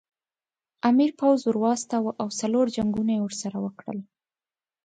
امیر پوځ ور واستاوه او څلور جنګونه یې ورسره وکړل.